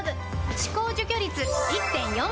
歯垢除去率 １．４ 倍！